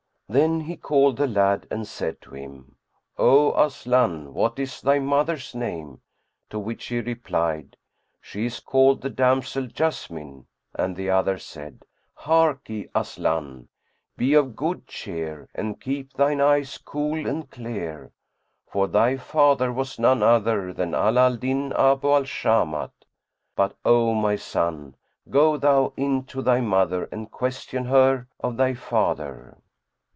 Then he called the lad and said to him, "O Aslan what is thy mother's name?"; to which he replied, "She is called the damsel Jessamine;" and the other said, "Harkye, Aslan, be of good cheer and keep thine eyes cool and clear; for thy father was none other than Ala al Din Abu al Shamat: but, O my son, go thou in to thy mother and question her of thy father."